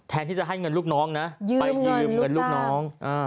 ที่จะให้เงินลูกน้องนะไปยืมเงินลูกน้อง